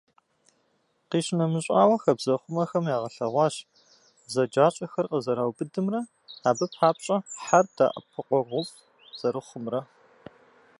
Къищынэмыщӏауэ, хабзэхъумэхэм ягъэлъэгъуащ бзаджащӏэхэр къызэраубыдымрэ, абы папщӏэ хьэр дэӏэпыкъуэгъуфӏ зэрыхъумрэ.